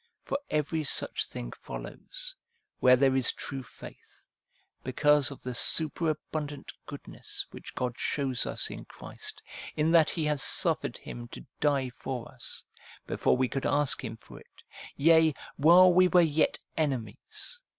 For every such thing follows, where there is true faith, because of the super abundant goodness which God shows us in Christ, in that He has suffered Him to die for us, before we could ask Him for it, yea, while we were yet enemies.